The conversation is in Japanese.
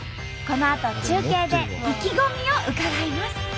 このあと中継で意気込みを伺います。